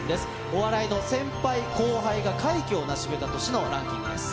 お笑いの先輩、後輩が快挙を成し遂げた年のランキングです。